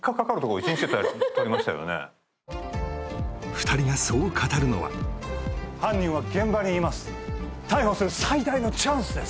２人がそう語るのは犯人は現場にいます逮捕する最大のチャンスです